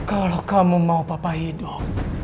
kalau kamu mau papa hidup